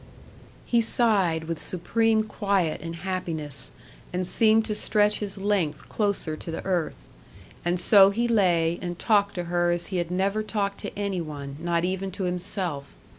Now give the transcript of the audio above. He sighed with supreme quiet and happiness, and seemed to stretch his length closer to the earth. And so he lay, and talked to her as he had never talked to any one, not even to himself.